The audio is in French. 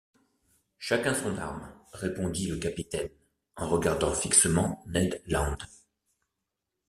Chacun son arme, » répondit le capitaine, en regardant fixement Ned Land.